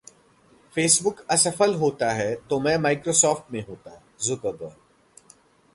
Facebook असफल होता तो मैं माइक्रोसॉफ्ट में होता: जुकरबर्ग